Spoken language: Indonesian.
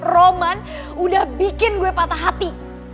roman udah bikin gue patah hati